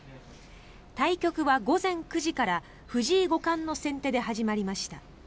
対局は午前９時から藤井五冠の先手で始まりました。